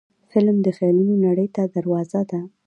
فلم د خیالونو نړۍ ته دروازه ده